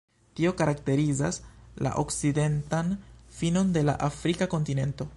Tio karakterizas la okcidentan finon de la Afrika kontinento.